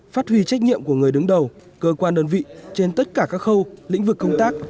phát huy trách nhiệm của người đứng đầu cơ quan đơn vị trên tất cả các khâu lĩnh vực công tác